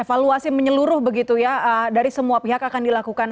evaluasi menyeluruh begitu ya dari semua pihak akan dilakukan